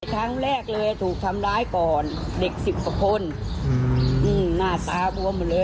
ทั้งแรกเลยถูกทำร้ายก่อนเด็ก๑๐ประคุณงงหน้าตาปวมหมดเลย